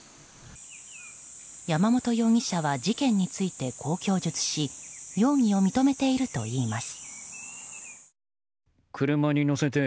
山本容疑者は事件についてこう供述し容疑を認めているといいます。